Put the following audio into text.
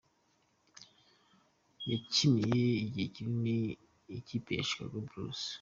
Yakiniye igihe kinini ikipe ya Chicago Bulls.